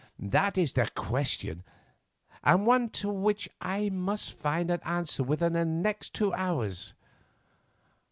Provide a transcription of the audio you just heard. That is the question, and one to which I must find an answer within the next two hours.